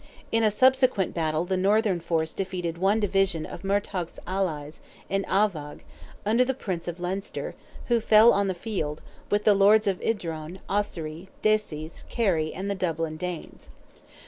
In a subsequent battle the northern force defeated one division of Murtogh's allies in Iveagh, under the Prince of Leinster, who fell on the field, with the lords of Idrone, Ossory, Desies, Kerry, and the Dublin Danes.